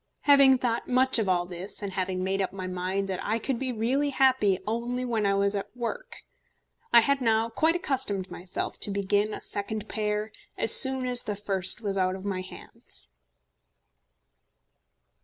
Having thought much of all this, and having made up my mind that I could be really happy only when I was at work, I had now quite accustomed myself to begin a second pair as soon as the first was out of my hands.